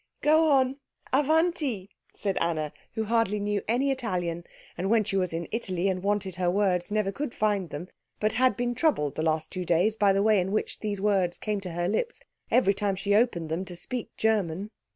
"Go on avanti!" said Anna, who knew hardly any Italian, and when she was in Italy and wanted her words never could find them, but had been troubled the last two days by the way in which these words came to her lips every time she opened them to speak German.